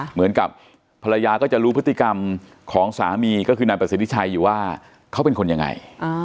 เหมือนกับภรรยาก็จะรู้พฤติกรรมของสามีก็คือนายประสิทธิชัยอยู่ว่าเขาเป็นคนยังไง